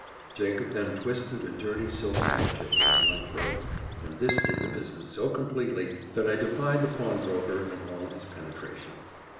Jacob then twisted a dirty silk handkerchief round my throat, and this did the business so completely, that I defied the pawnbroker and all his penetration.